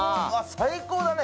最高だね